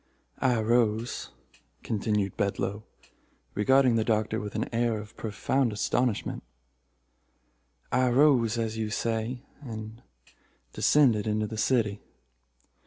"I arose," continued Bedloe, regarding the Doctor with an air of profound astonishment "I arose, as you say, and descended into the city.